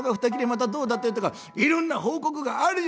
またどうだったよとかいろんな報告がある」。